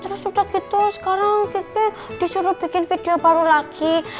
terus udah gitu sekarang kiki disuruh bikin video baru lagi